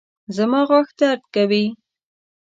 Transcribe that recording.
زما غاښ درد کوي